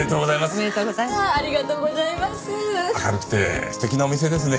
明るくて素敵なお店ですね。